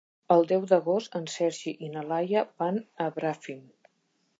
El deu d'agost en Sergi i na Laia van a Bràfim.